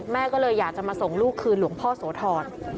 แม่ก็เลยอยากจะมาส่งลูกคืนหลวงพ่อโสธร